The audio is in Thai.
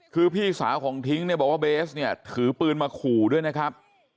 คือพี่สาวของทิ้งบอกว่าเบสถือปืนมาขู่ด้วยนะครับ